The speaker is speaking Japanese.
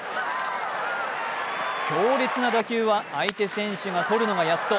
強烈な打球は相手選手がとるのがやっと。